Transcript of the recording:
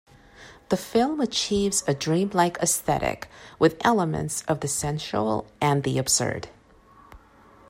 The film achieves a dream-like aesthetic with elements of the sensual and the absurd.